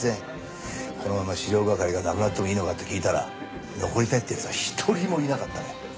「このまま資料係がなくなってもいいのか？」って聞いたら残りたいって奴は一人もいなかったね。